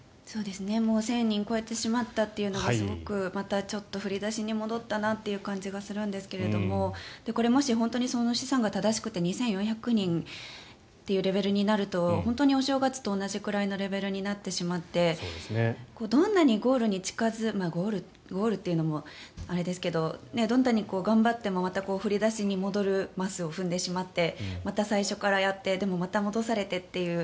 もう１０００人を超えてしまったというのがすごく振り出しに戻ったなという感じがするんですがこれ、もし本当に試算が正しくて２４００人というレベルになるとお正月と同じくらいのレベルになってしまってどんなにゴールに近付いてゴールというのもあれですけどどんなに頑張ってもまた振り出しに戻るマスを踏んでしまってまた最初からやってでも、また戻されてという。